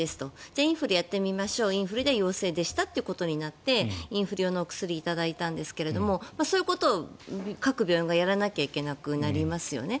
じゃあインフルやってみましょうインフルで陽性でしたということになってインフル用のお薬を頂いたんですがそういうことを各病院がやらなきゃいけなくなりますよね。